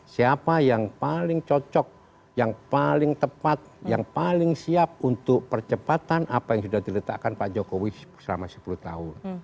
siapa yang paling cocok yang paling tepat yang paling siap untuk percepatan apa yang sudah diletakkan pak jokowi selama sepuluh tahun